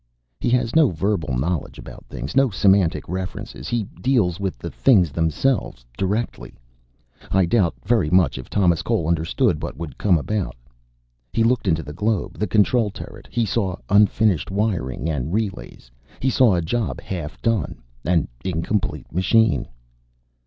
He has no verbal knowledge about things, no semantic references. He deals with the things themselves. Directly. "I doubt very much if Thomas Cole understood what would come about. He looked into the globe, the control turret. He saw unfinished wiring and relays. He saw a job half done. An incomplete machine."